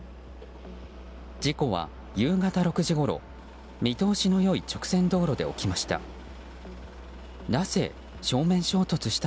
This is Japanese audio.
事故は夕方６時ごろ見通しの良い直線道路で起きました。